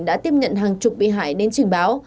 đã tiếp nhận hàng chục bị hại đến trình báo